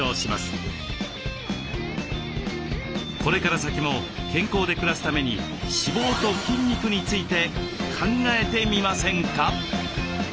これから先も健康で暮らすために脂肪と筋肉について考えてみませんか？